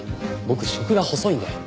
僕食が細いんで。